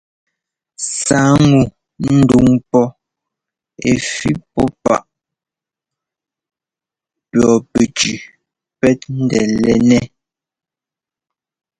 Sǎa ŋu ndúŋ pɔ́ ɛ́ fí pɔ́ páꞌ pʉɔpɛcʉʉ pɛ́t ńdɛ́lɛ́nɛ́.